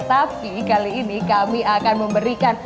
tapi kali ini kami akan memberikan